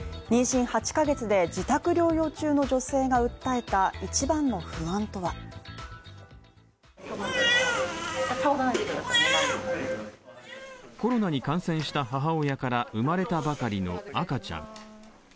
妊娠８ヶ月で自宅療養中の女性が訴えた一番の不安とはコロナに感染した母親から生まれたばかりの赤ちゃん。